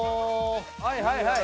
はいはいはい。